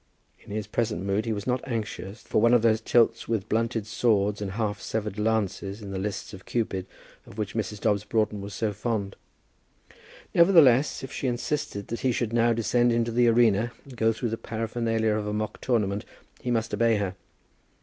In his present mood he was not anxious for one of those tilts with blunted swords and half severed lances in the lists of Cupid of which Mrs. Dobbs Broughton was so fond. Nevertheless, if she insisted that he should now descend into the arena and go through the paraphernalia of a mock tournament, he must obey her.